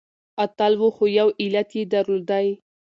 اتل و خو يو علت يې درلودی .